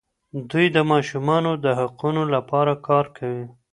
دوی د ماشومانو د حقونو لپاره کار کوي.